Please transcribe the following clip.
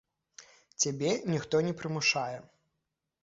Цябе ніхто не прымушае.